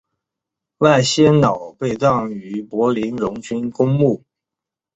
赖歇瑙被葬于柏林荣军公墓。